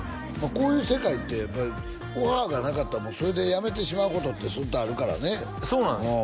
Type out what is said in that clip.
こういう世界ってやっぱりオファーがなかったらもうそれでやめてしまうことってそういうことあるからねそうなんですよ